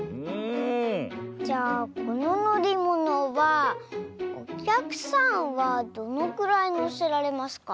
じゃあこののりものはおきゃくさんはどのくらいのせられますか？